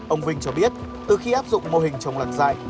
ông vinh cho biết từ khi áp dụng mô hình chống lạc dại